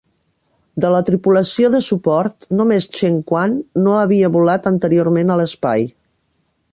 De la tripulació de suport, només Chen Quan no havia volat anteriorment a l'espai.